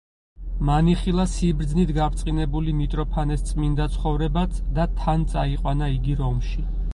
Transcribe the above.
მან იხილა სიბრძნით გაბრწყინებული მიტროფანეს წმიდა ცხოვრებაც და თან წაიყვანა იგი რომში.